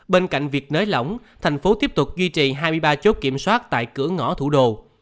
bên cạnh việc nới lỏng thành phố tiếp tục duy trì hai mươi ba chốt kiểm soát tại cửa ngõ thủ đô